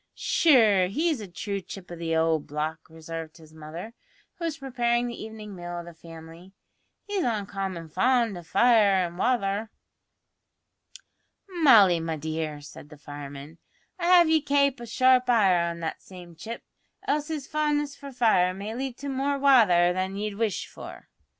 "Sure, he's a true chip o' the owld block," observed his mother, who was preparing the evening meal of the family; "he's uncommon fond o' fire an' wather." "Molly, my dear," said the fireman, "I'd have ye kape a sharp eye on that same chip, else his fondness for fire may lead to more wather than ye'd wish for."